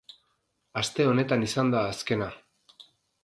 Aste honetan izan da azkena.